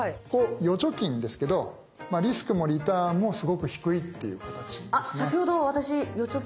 預貯金ですけどリスクもリターンもすごく低いっていう形ですね。